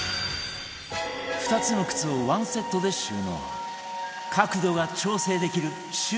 ２つの靴をワンセットで収納